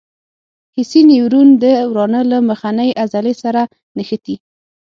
حسي نیورون د ورانه له مخنۍ عضلې سره نښتي.